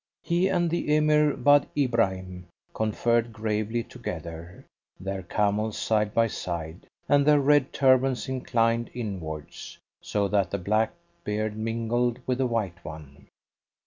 He and the Emir Wad Ibrahim conferred gravely together, their camels side by side, and their red turbans inclined inwards, so that the black beard mingled with the white one.